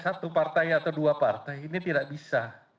satu partai atau dua partai ini tidak bisa